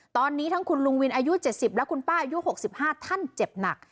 ตอนนี้ทั้งคุณลุงวินอายุ๗๐และคุณป้าอายุ๖๕ท่านเจ็บหนัก